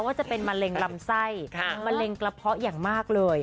ว่าจะเป็นมะเร็งลำไส้มะเร็งกระเพาะอย่างมากเลย